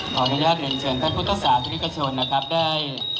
ขออนุญาตหนึ่งเชิญท่านพุทธศาสตร์ที่นี่กระชนนะครับได้